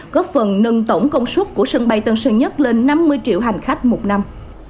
góp phần nâng tổng công suất của sân bay tân sơn nhất lên năm mươi triệu hành khách một năm